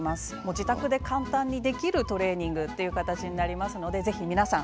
自宅で簡単にできるトレーニングになりますのでぜひ皆さん